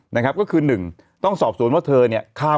นะครับก็คือหนึ่งต้องสอบสวนว่าเธอเนี่ยฆ่า